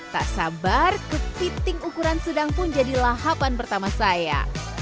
tak sabar kepiting ukuran sedang pun jadi lahapan pertama saya